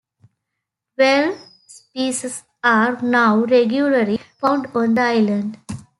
Twelve species are now regularly found on the island.